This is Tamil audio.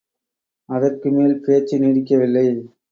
அதற்கு மேல் பேச்சு நீடிக்கவில்லை.